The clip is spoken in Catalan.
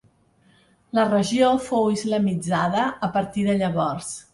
La regió fou islamitzada a partir de llavors.